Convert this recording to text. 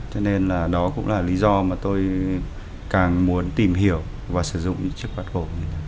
cho nên là đó cũng là lý do mà tôi càng muốn tìm hiểu và sử dụng những chiếc vát cổ